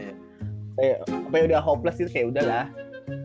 apalagi udah hopeless gitu ya ya udahlah